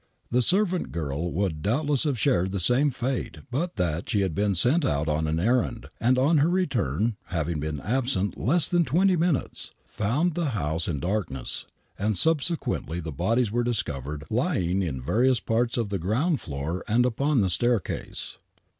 The servant girl would doubtless have shared the same fate but that she had been sent out on an errand, and on her return, having been absent less than twenty minutes, she found the house in darkness, and subsequently the bodies were discovered lying in various parts of the ground floor and upon the staircase.